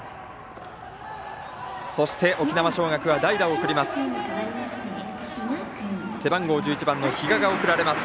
そして沖縄尚学は代打を送ります。